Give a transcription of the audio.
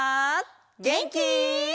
げんき？